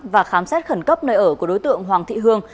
và khám xét khẩn cấp nơi ở của đối tượng hoàng thị hương